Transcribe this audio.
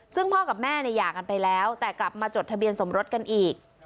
ซึ่งพ่อกับแม่เนี่ยหย่ากันไปแล้วแต่กลับมาจดทะเบียนสมรสกันอีก